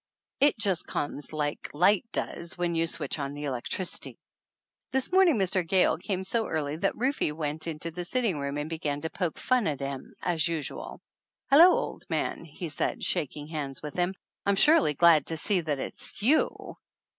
It just comes, like light does when you switch on the electricity. This morning Mr. Gayle came so early that Rufe went into the sitting room and began to poke fun at him, as usual. "Hello, old man," he said, shaking hands with him. "I'm surely glad to see that it's you.